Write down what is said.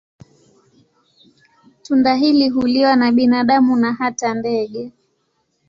Tunda hili huliwa na binadamu na hata ndege.